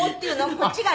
こっちがね」